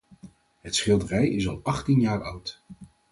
Het schilderij is al achttien jaar oud.